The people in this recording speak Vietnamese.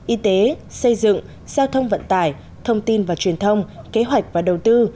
y tế xây dựng giao thông vận tải thông tin và truyền thông kế hoạch và đầu tư